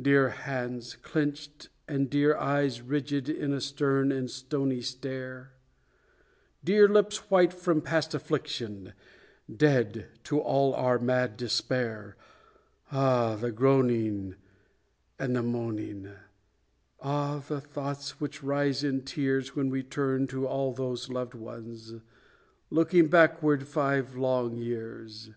Dear hands clenched, and dear eyes rigid in a stern and stony stare, Dear lips white from past affliction, dead to all our mad despair, Ah, the groaning and the moaning ah, the thoughts which rise in tears When we turn to all those loved ones, looking backward five long years!